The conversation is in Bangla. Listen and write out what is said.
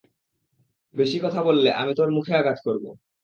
বেশি কথা বললে, আমি তোর মুখে আঘাত করবো।